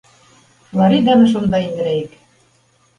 Флориданы шунда индерәйек!